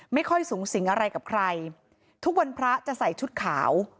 ไม่ค่อยสูงสิงอะไรกับใครทุกวันพระจะใส่ชุดขาว